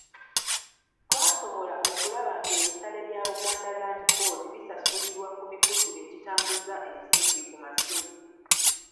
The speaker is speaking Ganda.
Twasobola okulaba ng’ebisale bya Buganda Land Board bisasulirwa ku mikutu egitambuza ensimbi ku masimu.